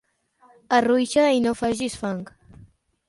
Arruixa i no facis fang.